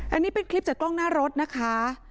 อันนี้เป็นคลิปจากกล้องหน้ารถนะคะ